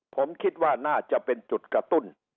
ผมคิดว่าน่าจะเป็นจุดกระตุ้น